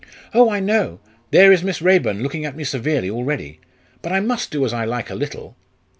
"Oh, I know! There is Miss Raeburn looking at me severely already. But I must do as I like a little."